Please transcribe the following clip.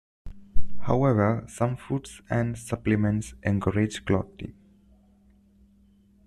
However, some foods and supplements encourage clotting.